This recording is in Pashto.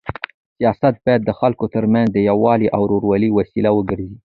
سیاست باید د خلکو تر منځ د یووالي او ورورولۍ وسیله وګرځي.